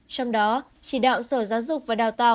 trong đó chỉ đạo sở giáo dục và đào tạo